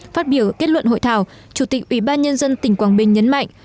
phát biểu kết luận hội thảo chủ tịch ủy ban nhân dân tỉnh quảng bình nhấn mạnh